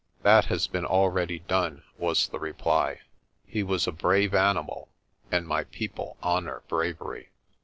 "That has been already done," was the reply. "He was a brave animal and my people honour bravery."